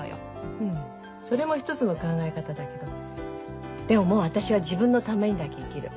うんそれも一つの考え方だけどでももう私は自分のためにだけ生きる。